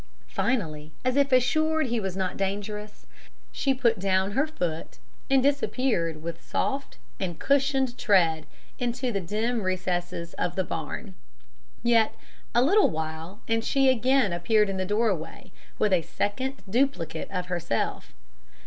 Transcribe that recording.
Finally, as if assured he was not dangerous, she put down her foot and disappeared with soft and cushioned tread into the dim recesses of the barn. Yet a little while and she again appeared in the doorway with a second duplicate of herself.